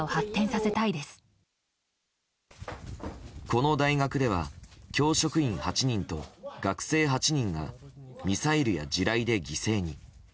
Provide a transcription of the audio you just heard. この大学では教職員８人と学生８人がミサイルや地雷で犠牲に。